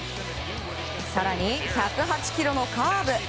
更に、１０８キロのカーブ。